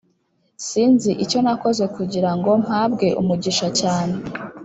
sinzi icyo nakoze kugirango mpabwe umugisha cyane,